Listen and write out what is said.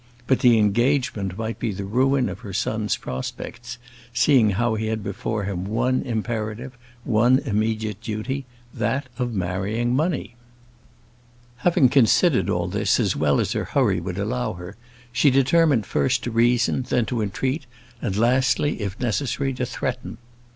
But the engagement might be the ruin of her son's prospects, seeing how he had before him one imperative, one immediate duty that of marrying money. Having considered all this as well as her hurry would allow her, she determined first to reason, then to entreat, and lastly, if necessary, to threaten.